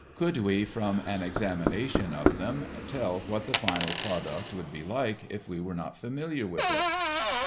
Could we, from an examination of them, tell what the final product would be like if we were not familiar with it?